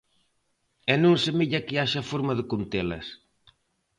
E non semella que haxa forma de contelas.